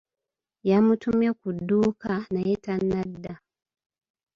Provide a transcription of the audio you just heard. Yamutumye ku dduuka naye tannadda.